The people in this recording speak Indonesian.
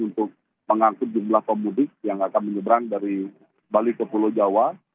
untuk mengangkut jumlah pemudik yang akan menyeberang dari bali ke pulau jawa